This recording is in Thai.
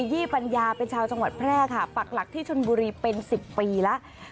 ี่ปัญญาเป็นชาวจังหวัดแพร่ค่ะปักหลักที่ชนบุรีเป็น๑๐ปีแล้ว